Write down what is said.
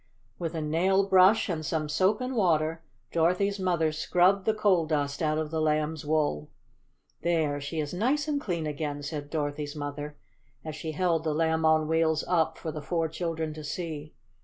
With a nail brush and some soap and water, Dorothy's mother scrubbed the coal dust out of the Lamb's wool. "There, she is nice and clean again," said Dorothy's mother, as she held the Lamb on Wheels up for the four children to see.